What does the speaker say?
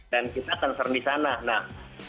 dan kita concern disana nah